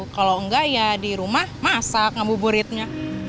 kalau enggak ya di rumah masak ngebu buritnya